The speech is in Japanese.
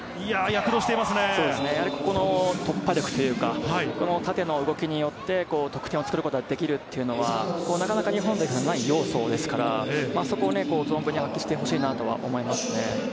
躍動してこの突破力というか、縦の動きによって得点を作ることができるというのはなかなか日本ではない要素ですから、そこを存分に発揮してほしいなと思いますね。